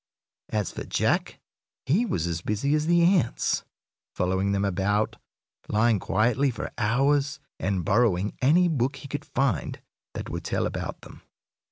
As for Jack, he was as busy as the ants, following them about, lying quietly for hours, and borrowing any book he could find that would tell about them.